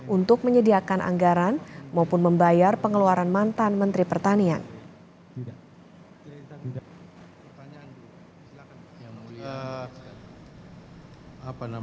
untuk menyediakan anggaran maupun membayar pengeluaran mantan menteri pertanian